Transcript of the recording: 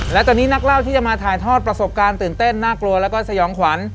และตอนนี้นักเล่าที่จะมาถ่ายทอดประสบการณ์ตื่นเต้นน่ากลัวแล้วก็สยองขวัญ